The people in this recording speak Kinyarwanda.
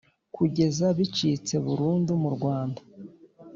kugeza bicitse burundu mu Rwanda.